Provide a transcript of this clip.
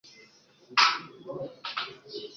kuva ubwo batangira guhangana